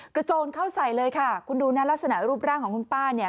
โจรเข้าใส่เลยค่ะคุณดูนะลักษณะรูปร่างของคุณป้าเนี่ย